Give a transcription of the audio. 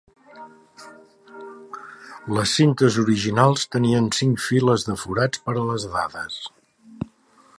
Les cintes originals tenien cinc files de forats per a les dades.